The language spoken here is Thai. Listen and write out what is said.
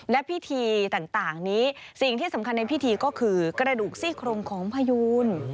และพิธีต่างนี้สิ่งที่สำคัญในพิธีก็คือกระดูกซี่โครงของพยูน